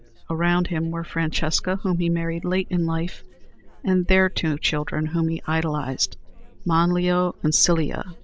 Around him were Francesca, whom he married late in life, and their two children whom he idolized, Manlio and Clelia.